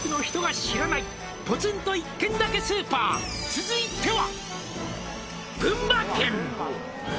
「続いては」